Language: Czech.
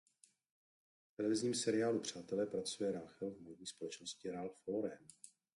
V televizním seriálu "Přátelé" pracuje Rachel v módní společnosti Ralph Lauren.